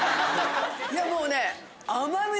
いやもうね。